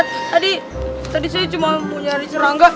tadi tadi saya cuma mau nyari cerangga